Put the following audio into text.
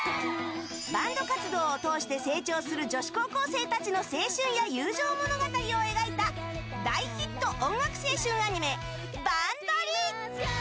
バンド活動を通して成長する女子高校生たちの青春や友情物語を描いた大ヒット音楽青春アニメ「ＢａｎＧＤｒｅａｍ！」。